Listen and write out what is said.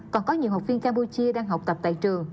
còn có nhiều học viên campuchia đang học tập tại trường